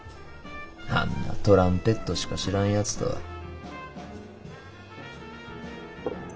あんなトランペットしか知らんやつとは。